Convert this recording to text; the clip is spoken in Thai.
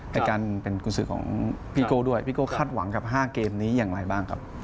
ในการเป็นกุศือของพี่โก้ด้วยพี่โก้คาดหวังกับ๕เกมนี้อย่างไรบ้างครับ